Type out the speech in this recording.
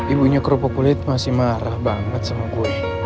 ibunya kerupuk kulit masih marah banget sama kue